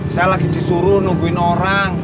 saya lagi disuruh nungguin orang